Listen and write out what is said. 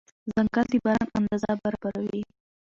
ځنګل د باران اندازه برابروي.